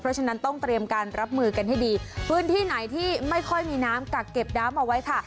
เพราะฉะนั้นต้องเตรียมการรับมือกันให้ดีพื้นที่ไหนที่ไม่ค่อยมีน้ำกักเก็บน้ำเอาไว้ค่ะ